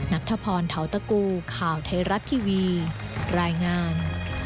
นัทธพรเทาตะกูข่าวไทยรัฐทีวีรายงาน